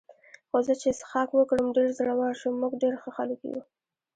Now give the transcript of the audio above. خو زه چې څښاک وکړم ډېر زړور شم، موږ ډېر ښه خلک یو.